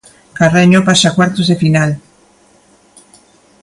Carreño pasa a cuartos de final.